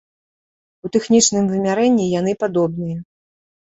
У тэхнічным вымярэнні яны падобныя.